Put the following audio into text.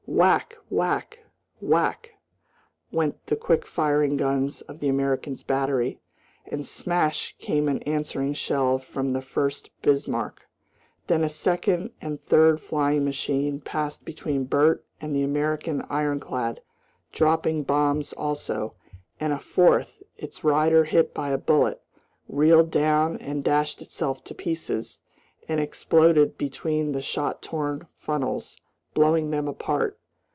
Whack, whack, whack, went the quick firing guns of the Americans' battery, and smash came an answering shell from the Furst Bismarck. Then a second and third flying machine passed between Bert and the American ironclad, dropping bombs also, and a fourth, its rider hit by a bullet, reeled down and dashed itself to pieces and exploded between the shot torn funnels, blowing them apart.